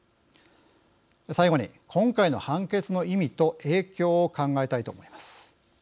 最後に今回の判決の意味と影響を考えたいと思います。